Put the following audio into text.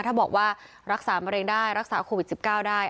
ถ้าบอกว่ารักษามะเร็งได้รักษาโควิด๑๙ได้